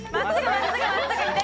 真っすぐ真っすぐ左左。